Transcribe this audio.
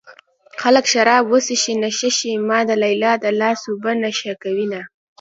خلک شراب وڅښي نشه شي ما د ليلا د لاس اوبه نشه کوينه